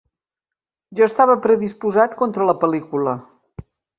Jo estava predisposat contra la pel·lícula.